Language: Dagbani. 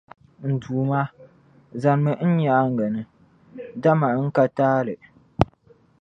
N Duuma, zanimi n nyaaŋa ni, dama n ka taali.